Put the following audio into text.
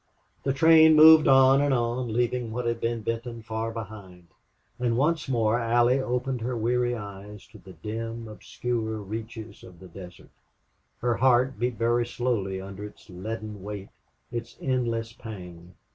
The train moved on and on, leaving what had been Benton far behind; and once more Allie opened her weary eyes to the dim, obscure reaches of the desert. Her heart beat very slowly under its leaden weight, its endless pang.